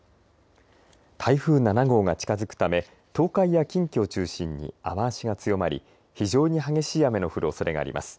台風７号が近づくため東海や近畿を中心に雨足が強まり非常に激しい雨が降るおそれがあります。